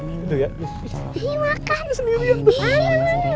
iya buka sendiri